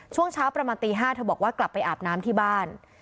ช่วงเช้าประมาณตี๕เธอบอกว่ากลับไปอาบน้ำที่บ้าน